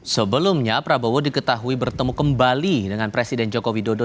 sebelumnya prabowo diketahui bertemu kembali dengan presiden joko widodo